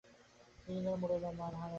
দিনে দিনে মোরেলা মান হয়ে যাচ্ছিল।